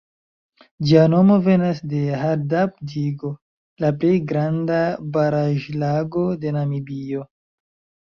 Ĝia nomo venas de Hardap-digo, la plej granda baraĵlago de Namibio.